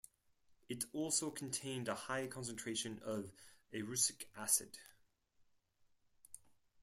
It also contained a high concentration of erucic acid.